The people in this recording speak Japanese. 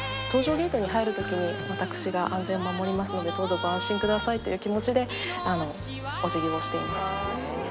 搭乗ゲートに入るときに、私が安全を守りますので、どうぞご安心くださいという気持ちでおじぎをしています。